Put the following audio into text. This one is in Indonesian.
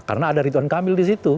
karena ada ridwan kamil disitu